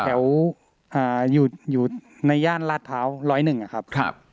แถวอ่าอยู่อยู่ในย่านราชพร้าวร้อยหนึ่งอ่ะครับครับ